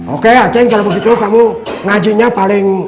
oke aceh kalau begitu kamu ngajinya paling